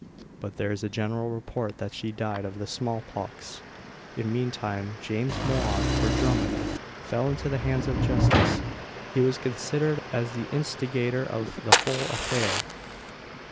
But there is a general report that she died of the small pox. In the meantime, James Mhor, or Drummond, fell into the hands of justice. He was considered as the instigator of the whole affair.